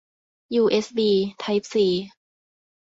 ยูเอสบี ไทป์ซี